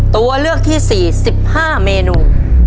ตัวเลือกที่๔๑๕เมนู